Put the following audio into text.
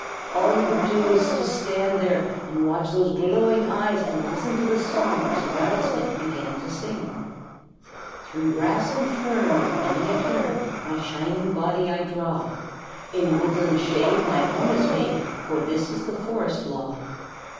All he could do was to stand there and watch those glowing eyes and listen to the song which the Rattlesnake began to sing: "Through grass and fern, With many a turn, My shining body I draw. In woodland shade My home is made, For this is the Forest Law.